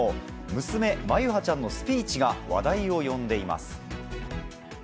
娘、眞結羽ちゃんのスピーチが話題を呼んでいます。